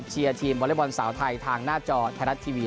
ทีมวอเล็กบอลสาวไทยทางหน้าจอไทยรัฐทีวี